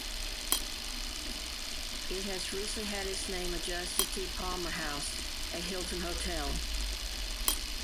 It has recently had its name adjusted to Palmer House - A Hilton Hotel.